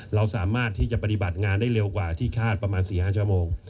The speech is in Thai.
เราสามารถที่จะปฏิบัติงานได้เร็วกว่าที่คาดประมาณ๔๕ชั่วโมง